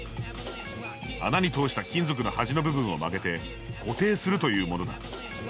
穴に通した金属の端の部分を曲げて固定するというものだ。